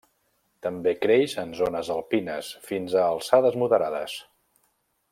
També creix en zones alpines, fins a alçades moderades.